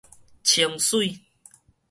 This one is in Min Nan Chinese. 清水